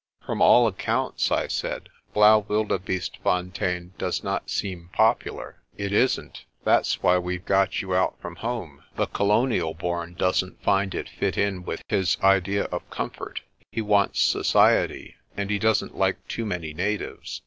"From all accounts," I said, "Blaauwildebeestefontein does not seem popular." "It isn't. That's why we've got you out from home. The colonial born doesn't find it fit in with his idea of com fort. He wants society, and he doesn't like too many na tives.